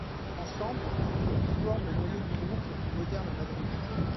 Ensemble, ils forment le noyau du groupe le plus moderne à Madrid.